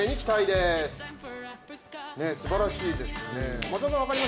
すばらしいですね。